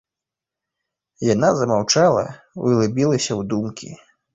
Яна замаўчала, углыбілася ў думкі.